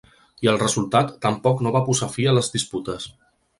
I el resultat tampoc no va posar fi a les disputes.